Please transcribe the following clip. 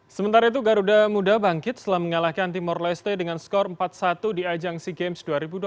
sementara itu garuda muda bangkit setelah mengalahkan timor leste dengan skor empat satu di ajang sea games dua ribu dua puluh